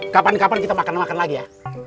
kapan kapan kita makan makan lagi ya